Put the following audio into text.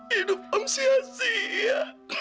hidup om sia sia